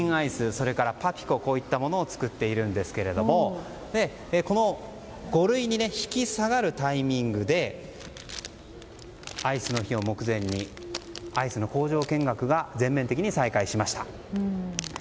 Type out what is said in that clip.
それから、パピコといったものを作っているんですけれども５類に引き下がるタイミングでアイスの日を目前にアイスの工場見学が全面的に再開しました。